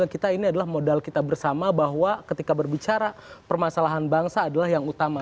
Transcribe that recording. kita ini adalah modal kita bersama bahwa ketika berbicara permasalahan bangsa adalah yang utama